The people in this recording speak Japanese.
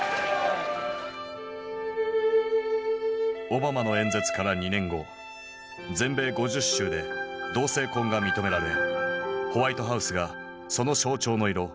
オバマの演説から２年後全米５０州で同性婚が認められホワイトハウスがその象徴の色